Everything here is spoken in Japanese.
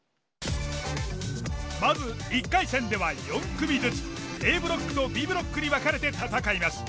まず１回戦では４組ずつＡブロックとＢブロックに分かれて戦います。